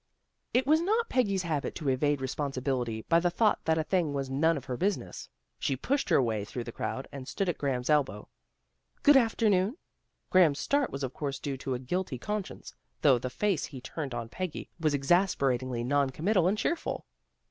It was not Peggy's habit to evade responsi bility by the thought that a thing was none of her business. She pushed her way through the crowd, and stood at Graham's elbow. " Good afternoon." Graham's start was of course due to a guilty conscience, though the face he turned on Peggy was exasperatingly non committal and cheerful.